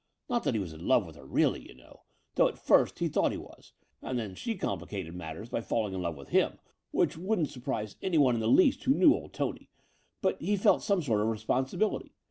Not that he was in love with her really, you know, though at first he thought he was, and then she complicated matters by falling in love with him, which wouldn't sur prise anyone in the least who knew old Tony : but he felt some sort of responsibility.